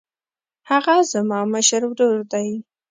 هغه زما مشر ورور دی.